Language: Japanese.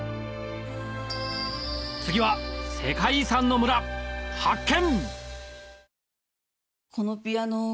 次は世界遺産の村発見！